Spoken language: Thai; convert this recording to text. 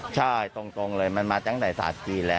ใช่ตรงตรงเลยมันมาตั้งแต่สหัสกี่แล้ว